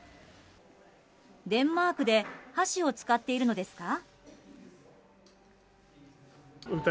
デンマークで箸を使っているのですか？